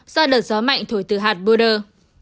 do đợt gió mạnh thổi từ hạt boulder